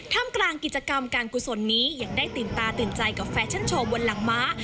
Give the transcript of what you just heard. ทำกลางกิจกรรมการกุศลนี้ยังได้ตื่นตาตื่นใจกับแฟชั่นโชว์บนหลังม้า